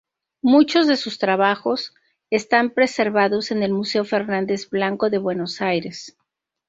Muchos de sus trabajos están preservados en el Museo Fernández Blanco de Buenos Aires.